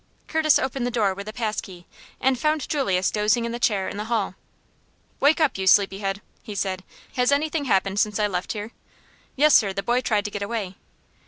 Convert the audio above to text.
Curtis opened the door with a pass key, and found Julius dozing in a chair in the hall. "Wake up, you sleepy head," he said. "Has anything happened since I left here?" "Yes, sir; the boy tried to get away."